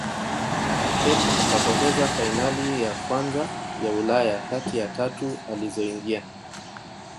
pep akapoteza fainali ya kwanza ya ulaya kati ya tatu alizoingia